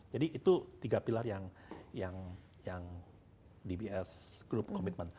jadi itu tiga pilar yang dbs group commitment